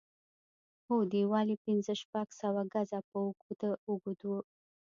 هر دېوال يې پنځه شپږ سوه ګزه به اوږد و.